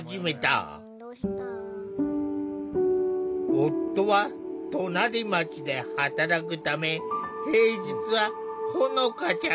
夫は隣町で働くため平日はほのかちゃんと２人っきり。